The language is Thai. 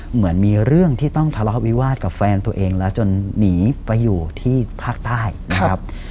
เหมือนมีเรื่องที่ต้องทะเลาะวิวาสกับแฟนตัวเองแล้วจนหนีไปอยู่ที่ภาคใต้นะครับ